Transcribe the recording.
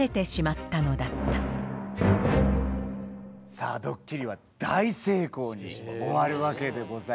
さあドッキリは大成功に終わるわけでございます。